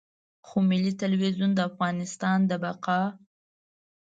خو ملي ټلویزیون د افغانستان د بقا.